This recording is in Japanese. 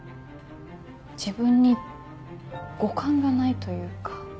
自分に五感がないというか。